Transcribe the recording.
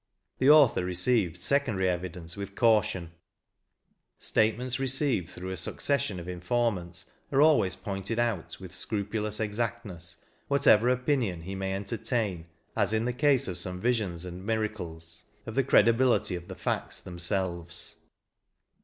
The author received secondary evidence with caution : statements received through a succession of informants are always pointed out with scrupulous exactness, whatever opinion he may entertain, as in the case of some visions and miracles, of the ctedihility of the facts themselves."